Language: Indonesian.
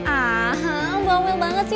aha bawel banget sih